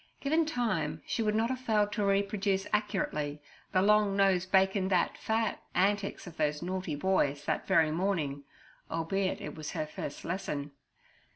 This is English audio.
Given time she would not have failed to reproduce accurately the 'Long nose bacon that fat' antics of those naughty boys that very morning, albeit it was her first lesson.